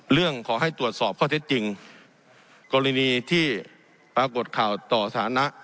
ขอให้ตรวจสอบข้อเท็จจริงกรณีที่ปรากฏข่าวต่อสถานะ